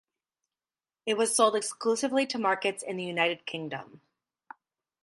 It was sold exclusively to markets in the United Kingdom.